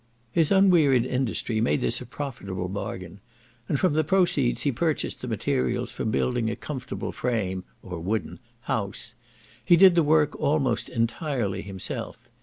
His unwearied industry made this a profitable bargain, and from the proceeds he purchased the materials for building a comfortable frame (or wooden) house; he did the work almost entirely himself.